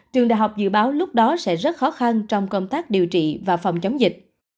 trường đại học dự báo lúc đó sẽ rất khó khăn trong công tác điều trị và phòng chống dịch